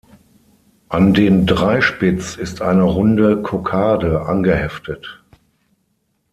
An den Dreispitz ist eine runde Kokarde angeheftet.